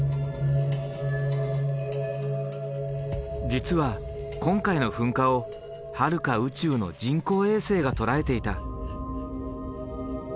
実は今回の噴火をはるか宇宙の人工衛星が捉えていた。